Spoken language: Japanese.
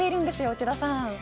内田さん。